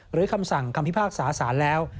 คำสั่งคำพิพากษาสารแล้ว